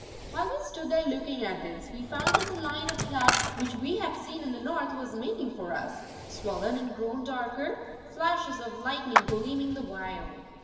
While we stood there looking at this, we found that the line of cloud which we had seen in the North was making for us, swollen and grown darker, flashes of lightning gleaming the while.